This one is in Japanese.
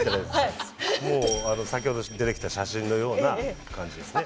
もう先ほど出てきた写真のような感じですね。